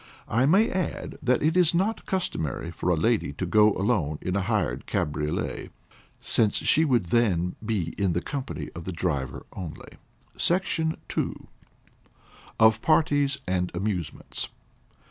I may add, that it is not customary for a lady to go alone in a hired cabriolet, since she would then be in the company of the driver only. SECTION II. _Of Parties and Amusements.